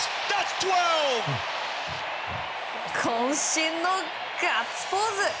渾身のガッツポーズ！